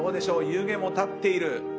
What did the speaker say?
湯気も立っている。